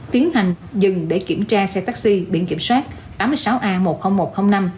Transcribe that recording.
tiến hành dừng để kiểm tra xe taxi biển kiểm soát tám mươi sáu a một mươi nghìn một trăm linh năm